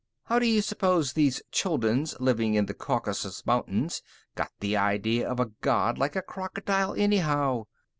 How do you suppose these Chulduns, living in the Caucasus Mountains, got the idea of a god like a crocodile, anyhow?